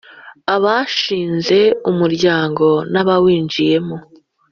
Abashinze Umuryango n abawinjiyemo